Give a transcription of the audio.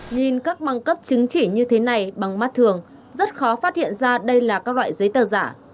nhìn các băng cấp chứng chỉ như thế này bằng mắt thường rất khó phát hiện ra đây là các loại giấy tờ giả